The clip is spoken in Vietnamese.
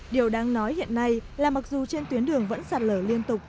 điều đáng nói hiện nay là mặc dù trên tuyến đường vẫn sạt lở liên tục